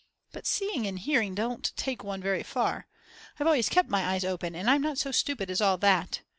But seeing and hearing don't take one very far. I've always kept my eyes open and I'm not so stupid as all that.